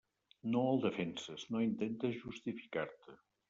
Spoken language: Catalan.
No el defenses, no intentes justificar-te.